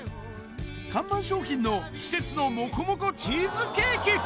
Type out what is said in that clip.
看板商品の季節のもこもこチーズケーキ。